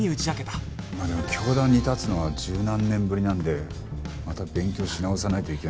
まあでも教壇に立つのは十何年ぶりなんでまた勉強し直さないといけないですけど。